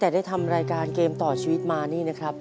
ดีไปดีทุกคนนะครับ